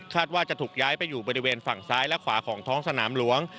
ว่าจะถูกย้ายไปอยู่บริเวณฝั่งซ้ายและขวาของท้องสนามหลวง